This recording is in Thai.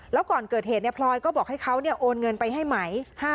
แล้วก่อนเกิดเหตุพลอยก็บอกให้เขาโอนเงินไปให้ไหม